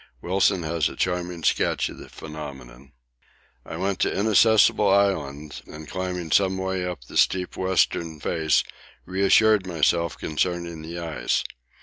Wilson has a charming sketch of the phenomenon. I went to Inaccessible Island, and climbing some way up the steep western face, reassured myself concerning the ice.